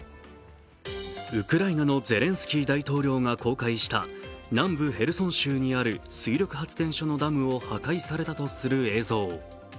ウクライナのゼレンスキー大統領が公開した南部ヘルソン州にある水力発電所のダムを破壊されたとされる映像。